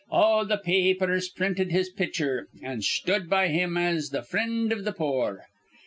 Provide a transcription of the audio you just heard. All th' pa apers printed his pitcher, an' sthud by him as th' frihd iv th' poor.